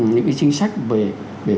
những cái chính sách về